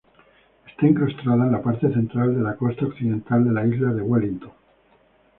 Está incrustada en la parte central de la costa occidental de la isla Wellington.